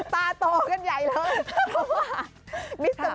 ตาโตกันใหญ่เลยเพราะว่า